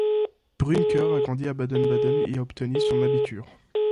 Brückner a grandi à Baden-Baden et y a obtenu son Abitur.